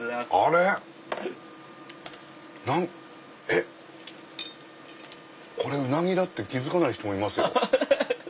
えっ⁉これウナギだって気付かない人もいますよ。